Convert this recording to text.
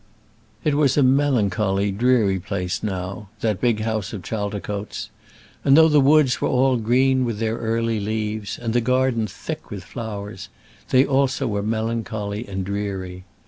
It was a melancholy, dreary place now, that big house of Chaldicotes; and though the woods were all green with their early leaves, and the gardens thick with flowers, they also were melancholy and dreary.